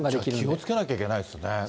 気をつけなければいけないですね。